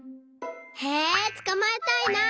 へえつかまえたいな！